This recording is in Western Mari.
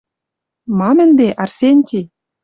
Мам ӹнде, Арсенти.